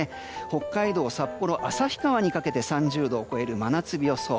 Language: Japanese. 北海道、札幌、旭川にかけて３０度を超える真夏日予想。